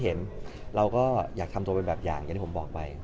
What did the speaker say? แล้วก็ก็อยากทำตัวเป็นแบบอย่างเช่นผมบอกไป